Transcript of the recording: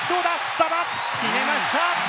馬場、決めました！